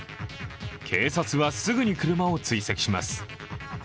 警察はすぐに車を追跡します。